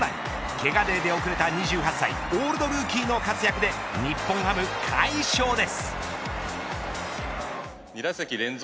けがで出遅れた２８歳オールドルーキーの活躍で日本ハム、快勝です。